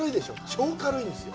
超軽いんですよ。